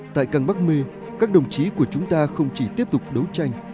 tại càng bắc mê các đồng chí của chúng ta không chỉ tiếp tục đấu tranh